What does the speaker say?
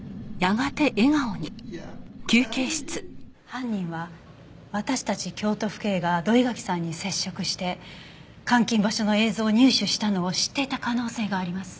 犯人は私たち京都府警が土居垣さんに接触して監禁場所の映像を入手したのを知っていた可能性があります。